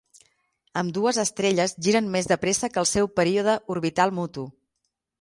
Ambdues estrelles giren més de pressa que el seu període orbital mutu.